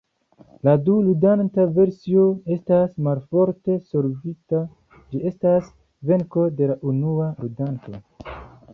La du-ludanta versio estas malforte solvita; ĝi estas venko de la unua ludanto.